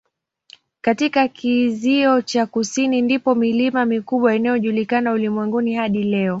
Katika kizio cha kusini ndipo milima mikubwa inayojulikana ulimwenguni hadi leo.